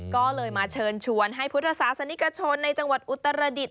ก็เลยมาเชิญชวนให้พุทธศาสนิกชนในจังหวัดอุตรดิษฐ